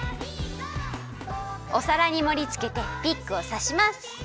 おさらにもりつけてピックをさします。